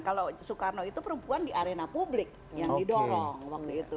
kalau soekarno itu perempuan di arena publik yang didorong waktu itu